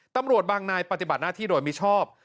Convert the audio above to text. ตำรวจบางนายปฏิบัติหน้าที่โดยมิชอบ